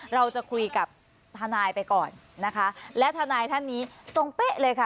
เราจะคุยกับทนายไปก่อนนะคะและทนายท่านนี้ตรงเป๊ะเลยค่ะ